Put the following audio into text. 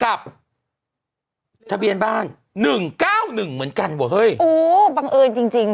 ทะเบียนบ้านหนึ่งเก้าหนึ่งเหมือนกันว่ะเฮ้ยโอ้บังเอิญจริงจริง